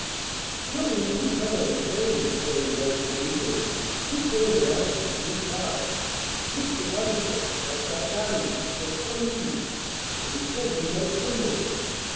"No, we didn't come on the train," explained Leslie eagerly. "We came in Allison's new car. Mr. Luddington that's our guardian was coming East, and he said we might come with him.